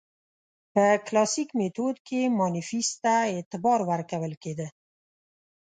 په کلاسیک میتود کې مانیفیست ته اعتبار ورکول کېده.